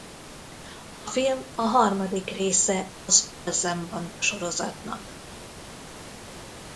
A film a harmadik része az Olsen-banda-sorozatnak.